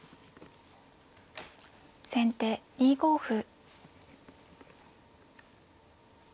先手２五歩。